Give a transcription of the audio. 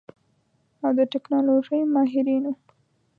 او د ټيکنالوژۍ ماهرين وو.